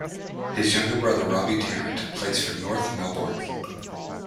His younger brother Robbie Tarrant plays for North Melbourne.